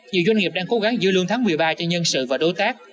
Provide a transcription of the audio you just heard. nhiều doanh nghiệp đang cố gắng giữ lương tháng một mươi ba cho nhân sự và đối tác